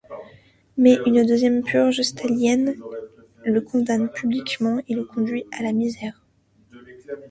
Mais une deuxième purge stalinienne le condamne publiquement et le conduit à la misère.